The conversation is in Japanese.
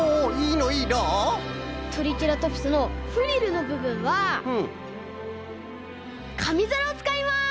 トリケラトプスのフリルのぶぶんはかみざらをつかいます！